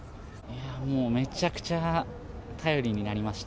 もうめちゃくちゃ頼りになりました。